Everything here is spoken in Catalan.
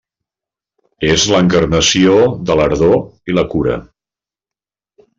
És l'encarnació de l'ardor i la cura.